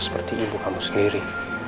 seperti ibu kamu sendiri